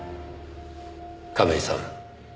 亀井さん